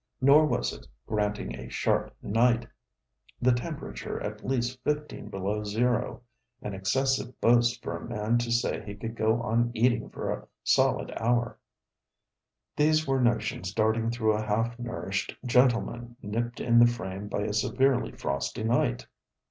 Nor was it, granting health, granting a sharp night the temperature at least fifteen below zero an excessive boast for a man to say he could go on eating for a solid hour. These were notions darting through a half nourished gentleman nipped in the frame by a severely frosty night.